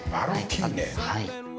はい。